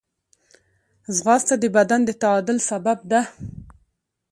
ځغاسته د بدن د تعادل سبب ده